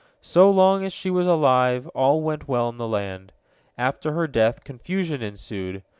So long as she was alive, all went well in the land. After her death confusion ensued.